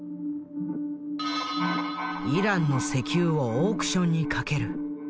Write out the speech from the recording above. イランの石油をオークションにかける。